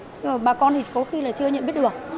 nhưng mà bà con thì có khi là chưa nhận biết được